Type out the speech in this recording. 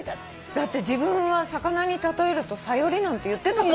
だって「自分は魚に例えるとサヨリ」なんて言ってたときが。